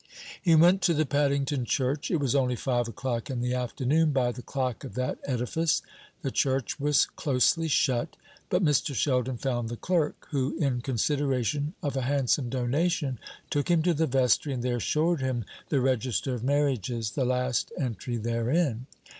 He went to the Paddington church. It was only five o'clock in the afternoon by the clock of that edifice. The church was closely shut, but Mr. Sheldon found the clerk, who, in consideration of a handsome donation, took him to the vestry, and there showed him the register of marriages the last entry therein.